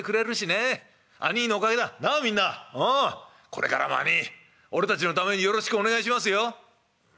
これからも兄ぃ俺たちのためによろしくお願いしますよ」。